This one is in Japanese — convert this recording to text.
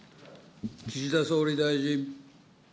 岸田総理大臣。